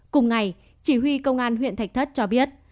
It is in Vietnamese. cùng ngày chỉ huy công an huyện thạch thất cho biết